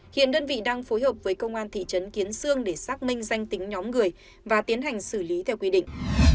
hiện đơn vị đang phối hợp với công an thị trấn kiến sương để xác minh danh tính nhóm người và tiến hành xử lý theo quy định